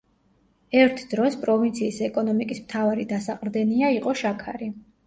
ერთ დროს პროვინციის ეკონომიკის მთავარი დასაყრდენია იყო შაქარი.